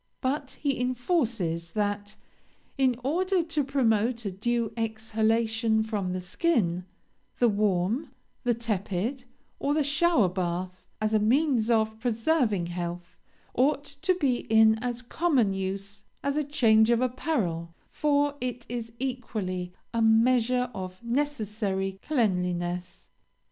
But he enforces, that 'in order to promote a due exhalation from the skin, the warm, the tepid, or the shower bath, as a means of preserving health, ought to be in as common use as a change of apparel, for it is equally a measure of necessary cleanliness.'